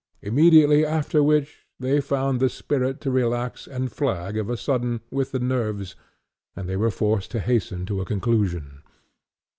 immediately after which, they found the spirit to relax and flag of a sudden with the nerves, and they were forced to hasten to a conclusion.